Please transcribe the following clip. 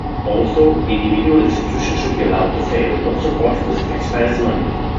Also, individual institutions should be allowed to fail, not supported with taxpayers' money.